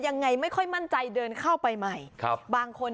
อย่างไรไม่มั่นใจเดินเข้าไปมัยครับบางคน